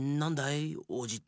「おうじ」って。